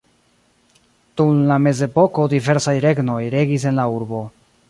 Dum la mezepoko diversaj regnoj regis en la urbo.